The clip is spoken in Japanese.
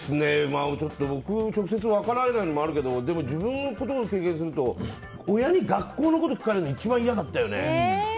僕、分からないのもあるけどでも自分の経験からすると親に学校のことを聞かれるのが一番嫌だったよね。